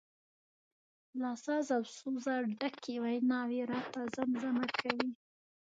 له ساز او سوزه ډکې ویناوي راته زمزمه کوي.